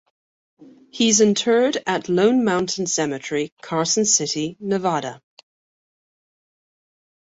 He is interred at Lone Mountain Cemetery, Carson City, Nevada.